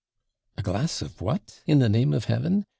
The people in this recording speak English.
'A glass of what, in the name of Heaven?'